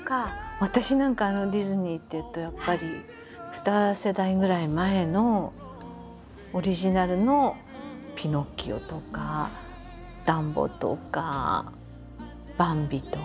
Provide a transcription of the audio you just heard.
私なんかディズニーっていうとやっぱり２世代ぐらい前のオリジナルの「ピノキオ」とか「ダンボ」とか「バンビ」とか。